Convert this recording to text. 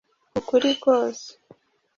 ukuri kose